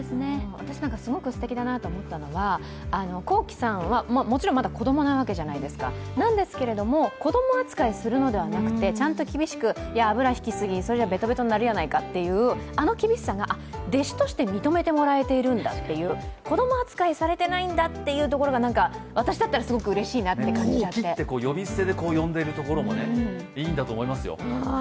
私なんかすごくすてきだなと思ったのは、昂輝さんはもちろんまだ子供なわけじゃないですか、でも、子供扱いするのではなくてちゃんと厳しくいや、油ひきすぎそれじゃベトベトになるやないかってあの厳しさが弟子として認めてもらえてるんだっていう子供扱いされていないんだというところが、私だったらすごくうれしいなって感じちゃって昂輝と呼び捨てで呼んでいるところもいいんだと思いますよ。